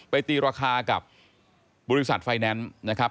ตีราคากับบริษัทไฟแนนซ์นะครับ